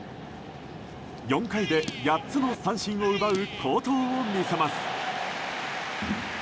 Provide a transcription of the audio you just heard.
４回で８つの三振を奪う好投を見せます。